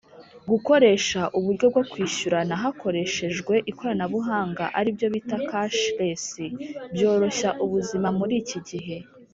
gukoresha uburyo bwo kwishyurana hakoreshejwe ikoranabuhanga aribyo bita kashi resi byoroshya ubuzima muri ikigihe